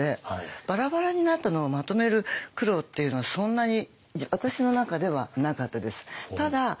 バラバラになったのをまとめる苦労っていうのはそんなに私の中ではなかったです。